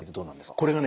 これがね